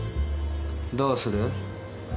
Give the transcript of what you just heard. どうする？